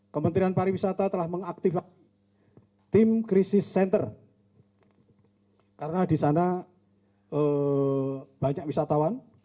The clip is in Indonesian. kementerian pariwisata telah mengaktifkan tim krisis center karena di sana banyak wisatawan